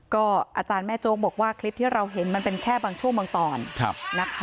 ก็อาจารย์แม่โจ๊กบอกว่าคลิปที่เราเห็นมันเป็นแค่บางช่วงบางตอนนะคะ